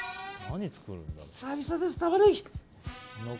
久々です、タマネギ。